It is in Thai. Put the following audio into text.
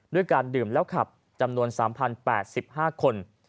ด้วยการดื่มแล้วขับจำนวน๓๐๘๕คน